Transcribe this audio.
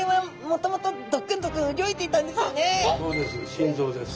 心臓です。